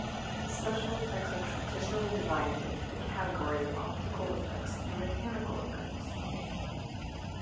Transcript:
Special effects are traditionally divided into the categories of optical effects and mechanical effects.